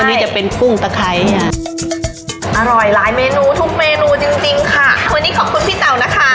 มตีก็อย่าต้องค่ะ